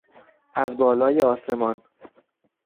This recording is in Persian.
از بالای آسمان